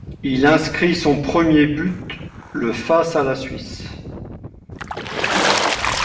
Il inscrit son premier but le face à la Suisse.